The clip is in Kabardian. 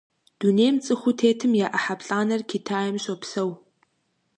Дунейм цӀыхуу тетым я Ӏыхьэ плӀанэр Китайм щопсэу.